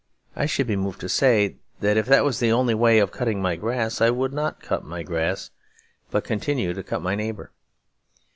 I should be moved to say that if that was the only way of cutting my grass I would not cut my grass, but continue to cut my neighbour.